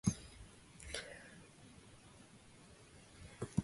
Still, West's comment reached much of the United States.